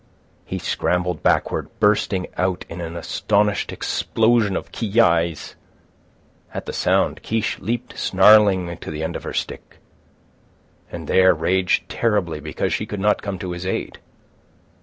He scrambled backward, bursting out in an astonished explosion of ki yi's. At the sound, Kiche leaped snarling to the end of her stick, and there raged terribly because she could not come to his aid.